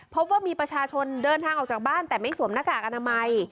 พบว่ามีประชาชนเดินทางออกจากบ้านแต่ไม่สวมหน้ากากอนามัย